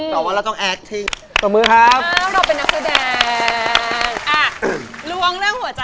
เมื่อกี้คือตาดำสั่นเลยอะ